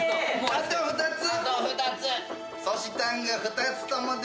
あと１つ。